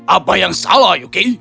apa yang salah yuki